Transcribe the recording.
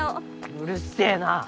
うるせぇな！